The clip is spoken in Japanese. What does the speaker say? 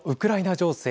情勢